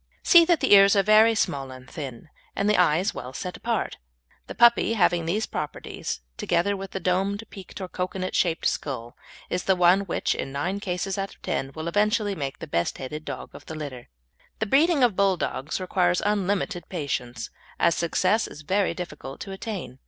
See that the ears are very small and thin, and the eyes set well apart. The puppy having these properties, together with a domed, peaked, or "cocoanut" shaped skull, is the one which, in nine cases out of ten, will eventually make the best headed dog of the litter. The breeding of Bulldogs requires unlimited patience, as success is very difficult to attain.